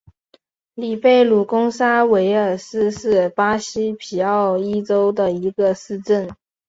里贝鲁贡萨尔维斯是巴西皮奥伊州的一个市镇。